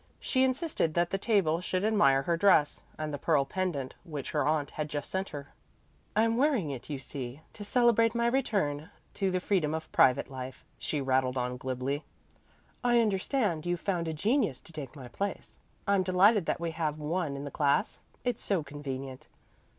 She insisted that the table should admire her dress, and the pearl pendant which her aunt had just sent her. "I'm wearing it, you see, to celebrate my return to the freedom of private life," she rattled on glibly. "I understand you've found a genius to take my place. I'm delighted that we have one in the class. It's so convenient.